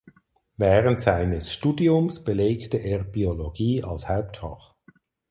Während seines Studiums belegte er Biologie als Hauptfach.